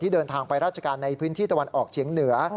เดินทางไปราชการในพื้นที่ตะวันออกเฉียงเหนือ